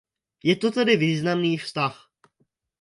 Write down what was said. Je to tedy významný vztah.